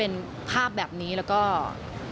โนโน่รู้อยู่แล้วแหละเพราะว่าก็มีผู้จัดการคนเดียวกัน